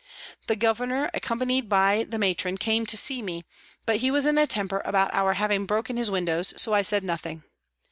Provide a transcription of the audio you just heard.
The Governor, accompanied by the Matron, came to see me, but he was in a temper about our having broken his windows, so I said nothing.